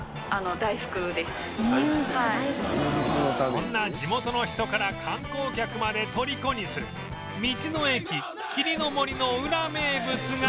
そんな地元の人から観光客まで虜にする道の駅霧の森のウラ名物が